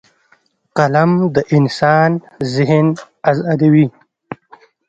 قلم د انسان ذهن ازادوي